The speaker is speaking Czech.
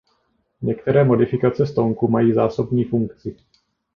Některé modifikace stonku mají zásobní funkci.